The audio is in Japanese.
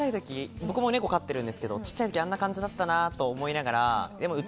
ちっちゃいとき僕も猫飼ってるんですけど、ちっちゃいときあんな感じだったなって思いながら。